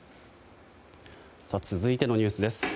続いてのニュースです。